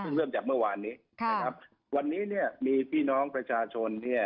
ซึ่งเริ่มจากเมื่อวานนี้นะครับวันนี้เนี่ยมีพี่น้องประชาชนเนี่ย